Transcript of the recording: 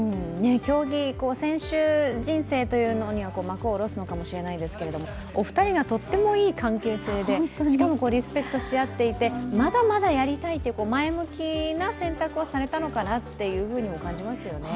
選手人生には、幕を下ろすのかもしれないですけどお二人がとってもいい関係性で、しかもリスペクトし合っていてまだまだやりたいっていう前向きな選択をされたのかなっていうふうにも感じますよね。